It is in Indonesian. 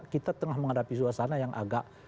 kita tengah menghadapi suasana yang agak